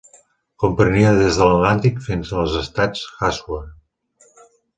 Comprenia des de l'Atlàntic fins als estats haussa.